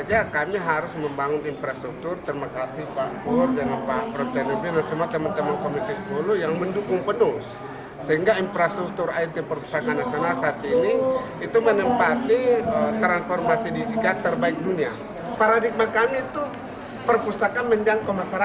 paradigma kami itu perpustakaan menjangkau masyarakat bukan masyarakat menjangkau perpustakaan